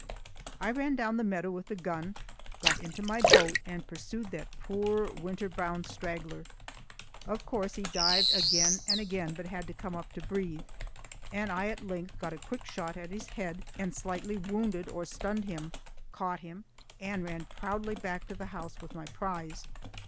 I ran down the meadow with the gun, got into my boat, and pursued that poor winter bound straggler. Of course he dived again and again, but had to come up to breathe, and I at length got a quick shot at his head and slightly wounded or stunned him, caught him, and ran proudly back to the house with my prize.